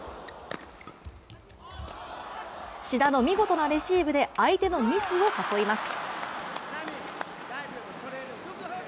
志田の見事なレシーブで相手のミスを誘います。